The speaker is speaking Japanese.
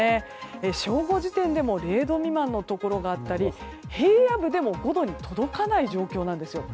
正午時点でも０度未満のところがあったり平野部でも５度に届かない状況なんですよ。